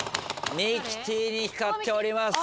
ミキティに光っております。